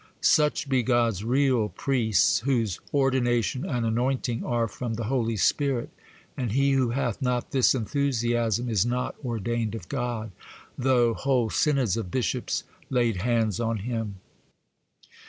Such be God's real priests, whose ordination and anointing are from the Holy Spirit; and he who hath not this enthusiasm is not ordained of God, though whole synods of bishops laid hands on him.